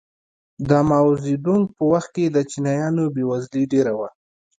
د ماوو زیدونګ په وخت کې د چینایانو بېوزلي ډېره وه.